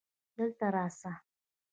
دلته راسه